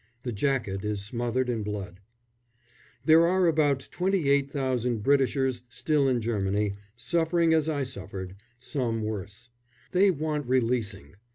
The jacket is smothered in blood. There are about 28,000 Britishers still in Germany, suffering as I suffered some worse. They want releasing.